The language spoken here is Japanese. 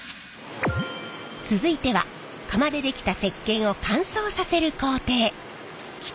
続いては釜でできた石けんを乾燥させる工程。